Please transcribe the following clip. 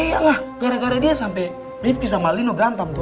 iya lah gara gara dia sampai rifki sama lino berantem tuh